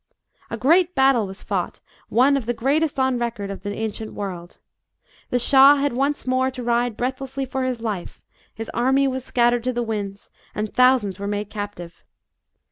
A great battle was fought one of the greatest on record of the ancient world. The Shah had once more to ride breathlessly for his life, his army was scattered to the winds, and thousands were made captive.